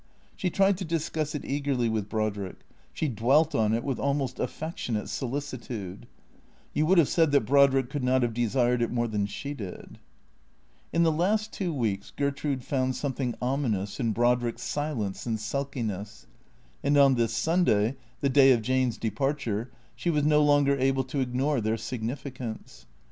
She tried to discuss it THECEEATORS 257 eagerly with Brodrick; she dwelt on it with almost affectionate solicitude; you would have said that Brodrick could not have desired it more than she did. In the last two weeks Gertrude found something ominous in Brodrick's silence and sulkiness. And on this Sunday, the day of Jane's departure, she was no longer able to ignore their sig nificance.